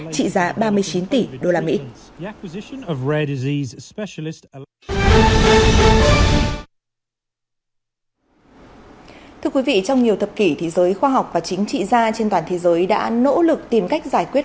thưa quý vị trong nhiều thập kỷ thế giới khoa học và chính trị gia trên toàn thế giới đã nỗ lực tìm cách giải quyết